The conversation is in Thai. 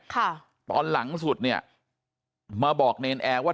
ค่ะตอนหลังสุดเนี่ยมาบอกเนรนแอร์ว่า